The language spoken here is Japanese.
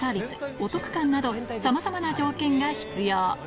お得感などさまざまな条件が必要